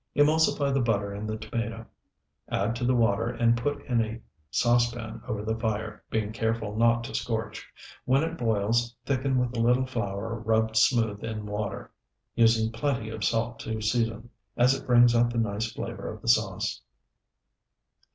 Emulsify the butter in the tomato, add to the water, and put in a saucepan over the fire, being careful not to scorch. When it boils, thicken with a little flour rubbed smooth in water, using plenty of salt to season, as it brings out the nice flavor of the sauce.